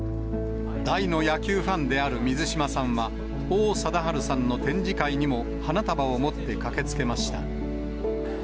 大の野球ファンである水島さんは、王貞治さんの展示会にも花束を持って駆けつけました。